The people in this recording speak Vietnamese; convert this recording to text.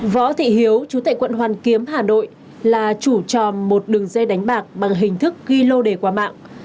võ thị hiếu chú tại quận hoàn kiếm hà nội là chủ tròm một đường dây đánh bạc bằng hình thức ghi lô đề qua mạng